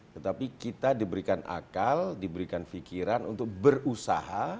tetapi kita diberikan akal diberikan fikiran untuk berusaha